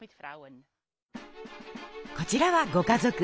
こちらはご家族。